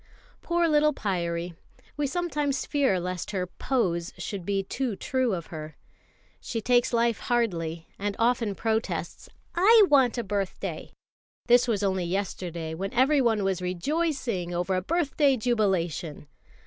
Poor little Pyârie; we sometimes fear lest her "pose" should be too true of her. She takes life hardly, and often protests. "I want a birthday!" this was only yesterday, when everyone was rejoicing over a birthday jubilation.